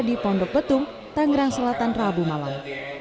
di pondok betung tanggerang selatan rabu malam